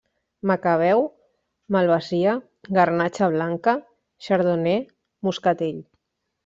Macabeu, Malvasia, Garnatxa blanca, Chardonnay, Moscatell.